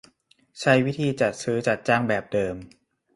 ใช้วิธีจัดซื้อจัดจ้างแบบเดิม